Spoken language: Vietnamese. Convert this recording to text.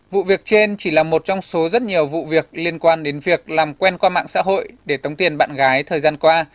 vụ việc trên chỉ là một trong số rất nhiều vụ việc liên quan đến việc làm quen qua mạng xã hội để tống tiền bạn gái thời gian qua